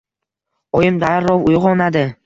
Oyim darrov uyg‘onadi.